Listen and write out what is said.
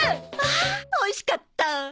あおいしかった。